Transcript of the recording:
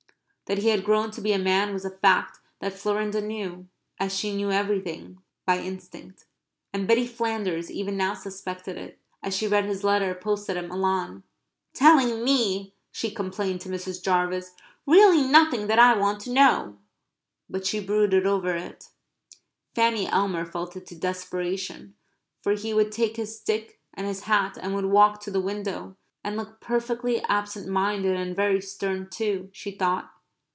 That he had grown to be a man was a fact that Florinda knew, as she knew everything, by instinct. And Betty Flanders even now suspected it, as she read his letter, posted at Milan, "Telling me," she complained to Mrs. Jarvis, "really nothing that I want to know"; but she brooded over it. Fanny Elmer felt it to desperation. For he would take his stick and his hat and would walk to the window, and look perfectly absent minded and very stern too, she thought.